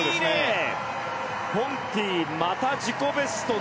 ポンティ、また自己ベスト。